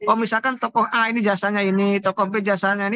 oh misalkan tokoh a ini jasanya ini tokoh b jasanya ini